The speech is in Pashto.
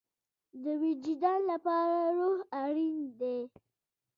د وجدان لپاره روح اړین دی